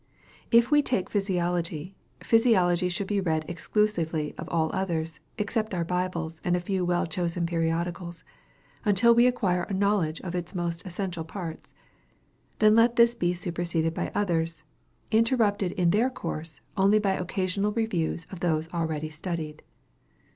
If we take physiology, physiology should be read exclusively of all others, except our Bibles and a few well chosen periodicals, until we acquire a knowledge of its most essential parts. Then let this be superseded by others, interrupted in their course only by occasional reviews of those already studied.